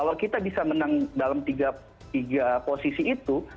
kalau kita bisa menang dalam tiga posisi itu